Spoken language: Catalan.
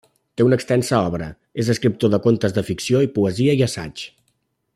Té una extensa obra: és escriptor de contes de ficció, poesia i assaig.